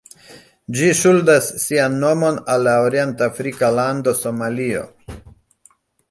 Ĝi ŝuldas sian nomon al la orient-afrika lando Somalio.